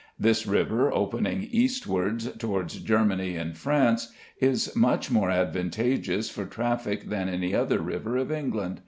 This river opening eastward towards Germany and France, is much more advantageous for traffic than any other river of England.